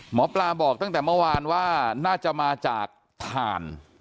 หมอปลาบอกตั้งแต่เมื่อวานว่าน่าจะมาจากถ่าน